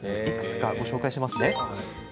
いくつか紹介します。